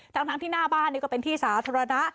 ทั้งที่หน้าบ้านนี่ก็เป็นที่สาธารณะ